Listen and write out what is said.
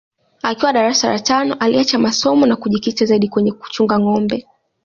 Akiwa darasa la tano aliacha masomo na kujikita zaidi kwenye kuchunga nâgombe